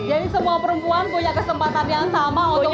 jadi semua perempuan punya kesempatan yang sama untuk menciptakan supply